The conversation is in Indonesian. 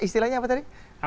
istilahnya apa tadi